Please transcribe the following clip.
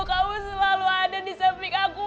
kamu selalu ada di samping aku